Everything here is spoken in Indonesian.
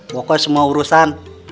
pokoknya semua urusan